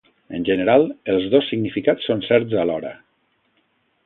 En general, els dos significats són certs alhora.